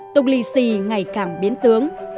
tục lì xì ngày càng biến tướng